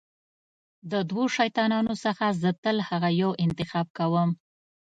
د دوو شیطانانو څخه زه تل هغه یو انتخاب کوم.